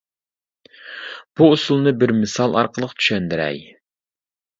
بۇ ئۇسۇلنى بىر مىسال ئارقىلىق چۈشەندۈرەي.